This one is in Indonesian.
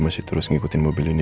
untuk mengikuti mobil itu